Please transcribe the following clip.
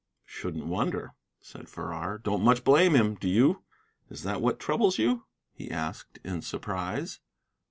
"Shouldn't wonder," said Farrar. "Don't much blame him, do you? Is that what troubles you?" he asked, in surprise.